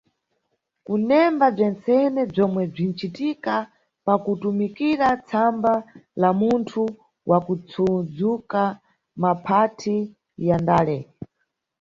Kunemba bzentsene bzomwe bzinʼcitika pakutumikira tsamba la munthu mwakutsudzuka, maphathi ya ndale.